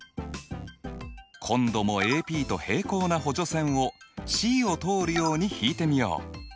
今度もＡＰと平行な補助線をＣを通るように引いてみよう。